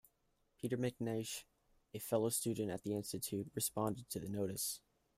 Peter McNeish, a fellow student at the Institute, responded to the notice.